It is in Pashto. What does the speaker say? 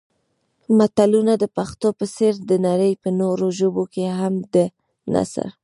متلونه د پښتو په څېر د نړۍ په نورو ژبو کې هم د نثر